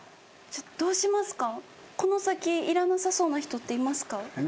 どうしますか？